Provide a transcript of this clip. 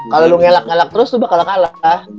kalau lo ngelak ngelak terus lo bakal kalah